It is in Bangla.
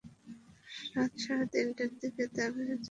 রাত সাড়ে তিনটার দিকে তা বেড়ে যায়।